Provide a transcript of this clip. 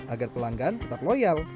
agar pelanggan tetap loyal